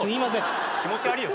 気持ち悪いよ。